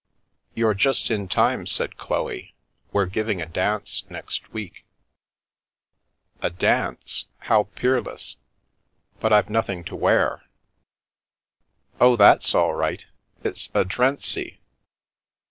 "You're just in time," said Chloe; "we're giving a dance next week." A dance! How peerless! But I've nothing to wear. Oh, that's all right. It's a ' drency.'